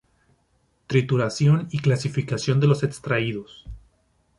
Trituración y clasificación de los extraídos.